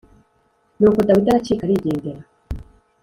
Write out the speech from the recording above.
Nuko Dawidi aracika arigendera.